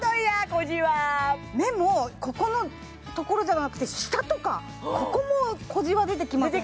目もここのところじゃなくて下とかここも小じわ出てきませんか？